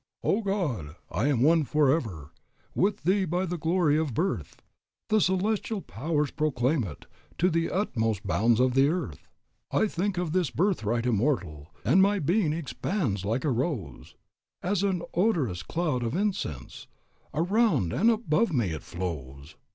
"O God! I am one forever With Thee by the glory of birth; The celestial powers proclaim it To the utmost bounds of the earth. "I think of this birthright immortal, And my being expands like a rose, As an odorous cloud of incense Around and above me flows.